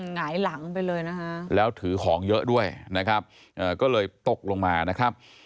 หงายหลังไปเลยนะฮะแล้วถือของเยอะด้วยนะครับก็เลยตกลงมานะครับ